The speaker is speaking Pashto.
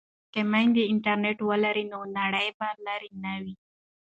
که میندې انټرنیټ ولري نو نړۍ به لرې نه وي.